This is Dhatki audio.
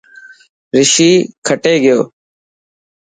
رشي کٽي گيو.